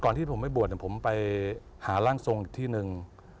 ที่ผมไปบวชผมไปหาร่างทรงอีกที่หนึ่ง